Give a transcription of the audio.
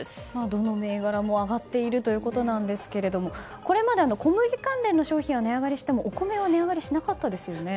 どの銘柄も上がっているということですがこれまで小麦関連の商品は値上がりしてもお米は値上がりしなかったですよね。